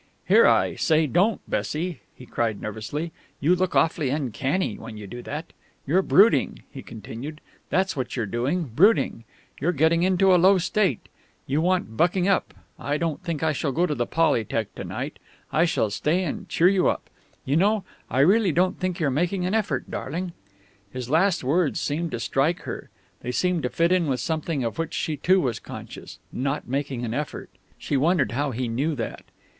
"Here, I say, don't, Bessie!" he cried nervously. "You look awfully uncanny when you do that! You're brooding," he continued, "that's what you're doing, brooding. You're getting into a low state. You want bucking up. I don't think I shall go to the Polytec. to night; I shall stay and cheer you up. You know, I really don't think you're making an effort, darling." His last words seemed to strike her. They seemed to fit in with something of which she too was conscious. "Not making an effort ..." she wondered how he knew that.